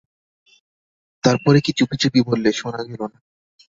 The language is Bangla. তার পরে কী চুপিচুপি বললে, শোনা গেল না।